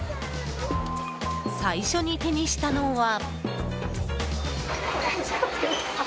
最初に手にしたのは。